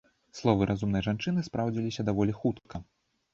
Словы разумнай жанчыны спраўдзіліся даволі хутка.